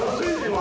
今。